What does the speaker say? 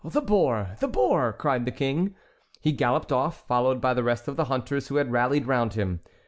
"The boar! the boar!" cried the King. He galloped off, followed by the rest of the hunters who had rallied round him.